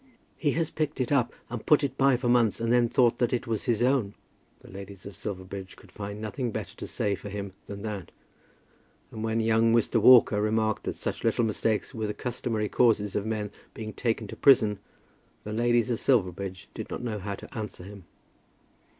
"He has picked it up and put it by for months, and then thought that it was his own." The ladies of Silverbridge could find nothing better to say for him than that; and when young Mr. Walker remarked that such little mistakes were the customary causes of men being taken to prison, the ladies of Silverbridge did not know how to answer him.